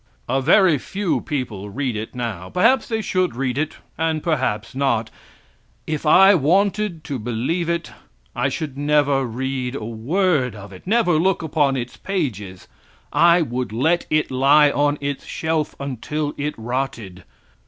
A very few people read it now; perhaps they should read it, and perhaps not; if I wanted to believe it, I should never read a word of it never look upon its pages, I would let it lie on its shelf, until it rotted!